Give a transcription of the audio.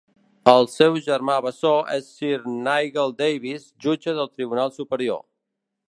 El seu germà bessó és Sir Nigel Davis, jutge del Tribunal Superior.